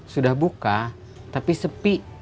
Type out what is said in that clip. sudah buka tapi sepi